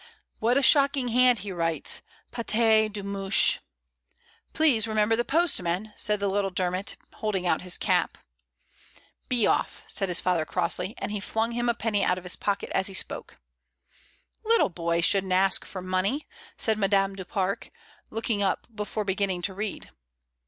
What a shocking hand he writes, paties de mouche" "Please remember the postman," said little Der mot, holding out his cap. "Be off," said his father, crossly; and he flung him a penny out of his pocket as he spoke. "Little boys shouldn't ask for money," said Ma dame du Pare, looking up before beginning to read.